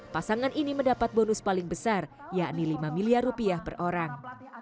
pasangan ini mendapat bonus paling besar yakni lima miliar rupiah per orang